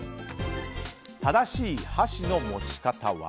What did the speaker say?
正しい箸の持ち方は。